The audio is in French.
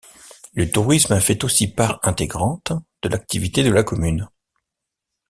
Le tourisme fait aussi part intégrante de l'activité de la commune.